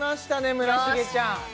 村重ちゃんよし！